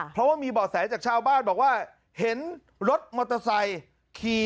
เพราะว่ามีบ่อแสจากชาวบ้านบอกว่าเห็นรถมอเตอร์ไซค์ขี่